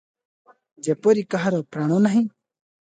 ଯେପରି କାହାର ପ୍ରାଣ ନାହିଁ ।